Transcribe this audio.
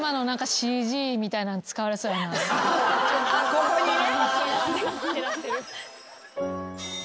ここにね。